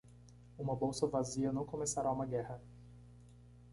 Uma bolsa vazia não começará uma guerra.